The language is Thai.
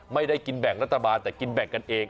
ไม่ได้กินแบ่งรัฐบาลแต่กินแบ่งกันเอง